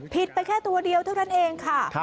ไปแค่ตัวเดียวเท่านั้นเองค่ะ